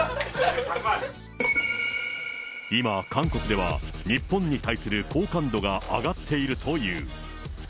今、韓国では、日本に対する好感度が上がっているという。